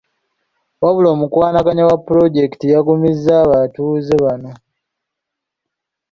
Wabula omukwanaganya wa ppuloojekiti yagumizza abatuuze bano.